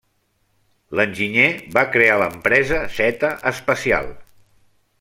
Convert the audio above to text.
L'enginyer va crear l'empresa Zeta Espacial.